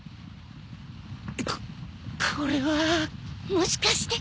ここれはもしかして